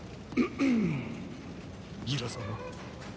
ギラ様。